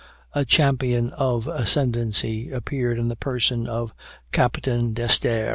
A champion of Ascendancy appeared in the person of Captain D'Esterre.